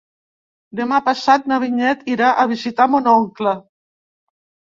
Demà passat na Vinyet irà a visitar mon oncle.